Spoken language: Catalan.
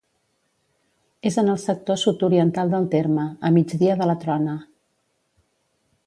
És en el sector sud-oriental del terme, a migdia de la Trona.